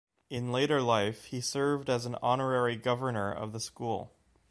In later life, he served as an Honorary Governor of the school.